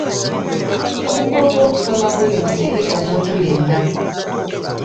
Obukulu bw’okusoma bwino eri omuntu yenna.